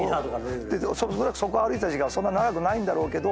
おそらくそこ歩いてた時間はそんな長くないんだろうけど。